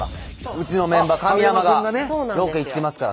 うちのメンバー神山がロケ行ってますから。